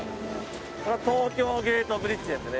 これは東京ゲートブリッジですね。